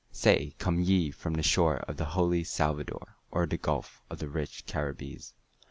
Say, come ye from the shore of the holy Salvador, Or the gulf of the rich Caribbees?"